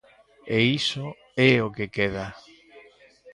E iso é o que queda.